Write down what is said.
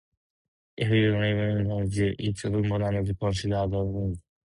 If you live in community, it's important to consider others' needs.